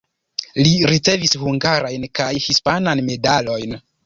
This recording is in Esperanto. Li ricevis hungarajn kaj hispanan medalojn.